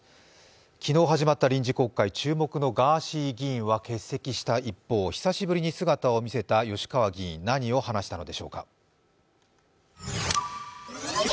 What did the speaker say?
昨日始まった臨時国会注目のガーシー議員は欠席した一方久しぶりに姿を見せた吉川議員何を話したのでしょうか。